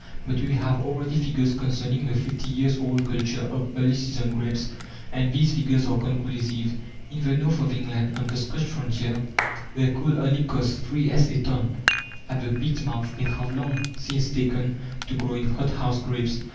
But we have already figures concerning the fifty years old culture of early season grapes, and these figures are conclusive. In the north of England, on the Scotch frontier, where coal only costs 3s. a ton at the pit's mouth, they have long since taken to growing hot house grapes.